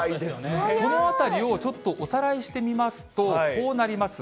そのあたりをちょっとおさらいしてみますと、こうなります。